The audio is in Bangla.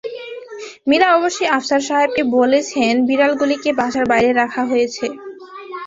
মীরা অবশ্যি আফসার সাহেবকে বলেছেন-বিড়ালগুলিকে বাসার বাইরে রাখা হয়েছে।